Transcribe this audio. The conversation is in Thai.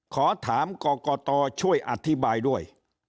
ขอถามกรกตช่วยอธิบายด้วย